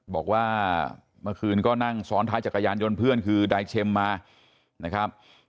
บอกว่าเมื่อคืนก็นั่งซ้อนท้ายจักรยานยนต์เพื่อนคือนายเช็มมานะครับ